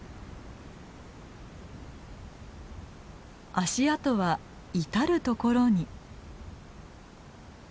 足跡は至る所に。